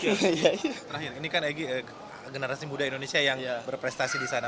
terakhir ini kan egy generasi muda indonesia yang berprestasi disana